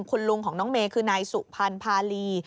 คุณลุงของน้องเมคือนายสุพันธ์พารี